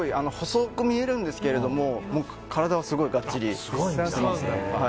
細く見えるんですけど体はすごいがっちりしています。